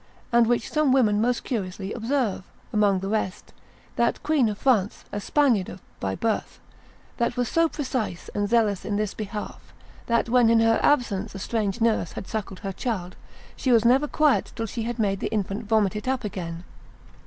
—and which some women most curiously observe; amongst the rest, that queen of France, a Spaniard by birth, that was so precise and zealous in this behalf, that when in her absence a strange nurse had suckled her child, she was never quiet till she had made the infant vomit it up again.